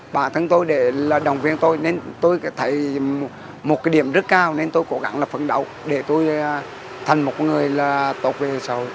bản thân tôi để là động viên tôi nên tôi thấy một cái điểm rất cao nên tôi cố gắng là phấn đấu để tôi thành một người là tốt về xã hội